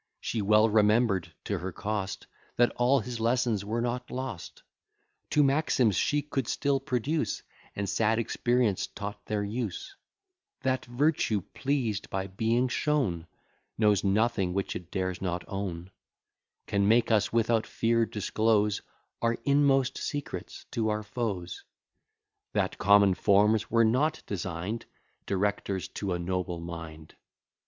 She well remember'd to her cost, That all his lessons were not lost. Two maxims she could still produce, And sad experience taught their use; That virtue, pleased by being shown, Knows nothing which it dares not own; Can make us without fear disclose Our inmost secrets to our foes; That common forms were not design'd Directors to a noble mind.